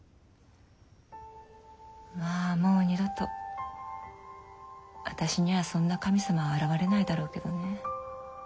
まあもう二度とあたしにゃそんな神様は現れないだろうけどね。